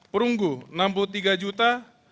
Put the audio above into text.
perunggu enam puluh tiga juta